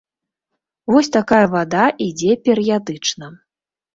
Вось такая вада ідзе перыядычна!